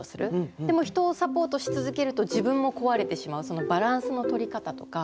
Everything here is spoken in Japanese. でも人をサポートし続けると自分も壊れてしまうそのバランスの取り方とか。